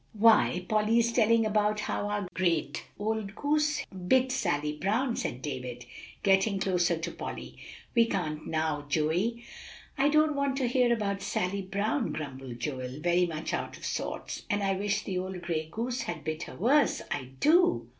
"Why, Polly's telling about how our old gray goose bit Sally Brown," said David, getting closer to Polly; "we can't now, Joey." "I don't want to hear about Sally Brown," grumbled Joel, very much out of sorts; "and I wish the old gray goose had bit her worse, I do."